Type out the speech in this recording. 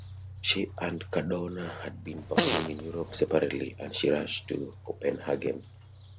She and Codona had been performing in Europe separately, and he rushed to Copenhagen.